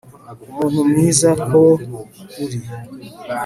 Umuntu mwiza ko uri